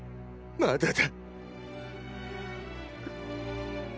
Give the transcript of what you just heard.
まだだ。